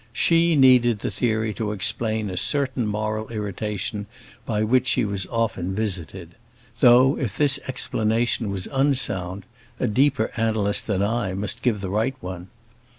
She needed the theory to explain a certain moral irritation by which she was often visited; though, if this explanation was unsound, a deeper analyst than I must give the right one.